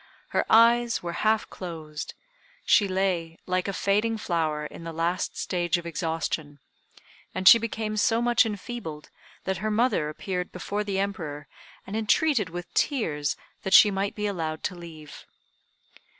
Her eyes were half closed: she lay like a fading flower in the last stage of exhaustion, and she became so much enfeebled that her mother appeared before the Emperor and entreated with tears that she might be allowed to leave.